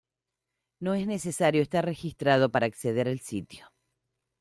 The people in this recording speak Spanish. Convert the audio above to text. No es necesario estar registrado para acceder al sitio.